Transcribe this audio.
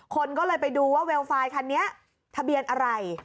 คนก็เลยไปดูว่าเวลไฟคันนี้ทะเบียนอะไร